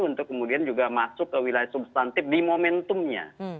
untuk kemudian juga masuk ke wilayah substantif di momentumnya